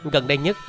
gần đây nhất